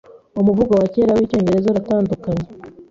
Umuvugo wa kera wicyongereza uratandukanye